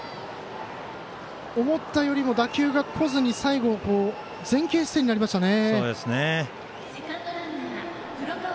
思ったよりも打球がこずに、最後前傾姿勢になりましたね。